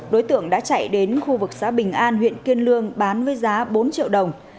đối tượng đã chạy đến khu vực xã bình an huyện kiên lương bán với giá bốn triệu đồng